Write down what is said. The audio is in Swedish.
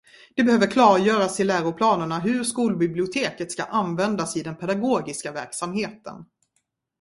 Det behöver klargöras i läroplanerna hur skolbiblioteket ska användas i den pedagogiska verksamheten.